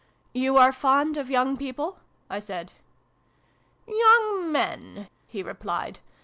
" You are fond of young people ?" I said. " Young men" he replied.